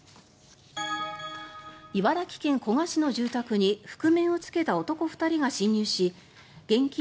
茨城県古河市の住宅に覆面をつけた男２人が侵入し現金